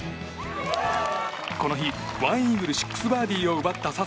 この日、１イーグル６バーディーを奪った笹生。